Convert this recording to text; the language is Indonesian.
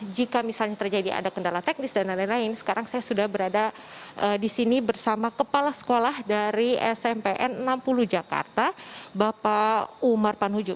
jika misalnya terjadi ada kendala teknis dan lain lain sekarang saya sudah berada di sini bersama kepala sekolah dari smpn enam puluh jakarta bapak umar panujud